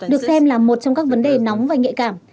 được xem là một trong các vấn đề nóng và nhạy cảm